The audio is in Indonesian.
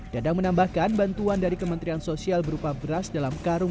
dadang menambahkan bantuan dari kementerian sosial berupa beras dalam karung